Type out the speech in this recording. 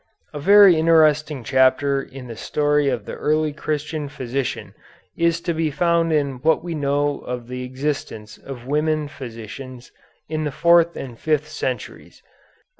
A very interesting chapter in the story of the early Christian physician is to be found in what we know of the existence of women physicians in the fourth and fifth centuries.